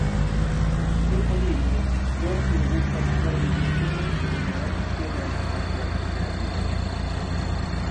En su tiempo libre, York le gusta jugar videojuegos, leer y realizar teatro creativo.